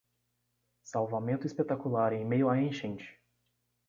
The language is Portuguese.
Salvamento espetacular em meio à enchente